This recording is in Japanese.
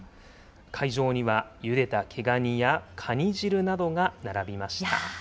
会場にはゆでた毛がにや、かに汁などが並びました。